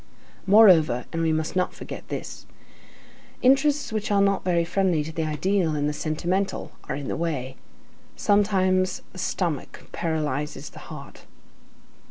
Moreover, and we must not forget this, interests which are not very friendly to the ideal and the sentimental are in the way. Sometimes the stomach paralyzes the heart.